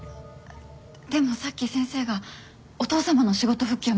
でもさっき先生がお父さまの仕事復帰は難しいって。